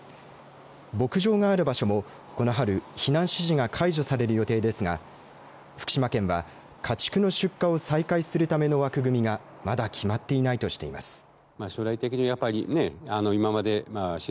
牧場がある場所もこの春、避難指示が解除される予定ですが福島県は家畜の出荷を再開するための枠組みがまだ決まっていないとしています。